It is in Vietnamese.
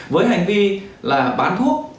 với hành vi là bán thuốc